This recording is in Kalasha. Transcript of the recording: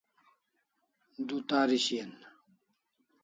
Du tari shian